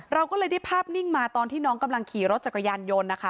เราก็เลยได้ภาพนิ่งมาตอนที่น้องกำลังขี่รถจักรยานยนต์นะคะ